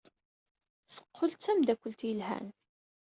Teqqel d tameddakelt yelhan.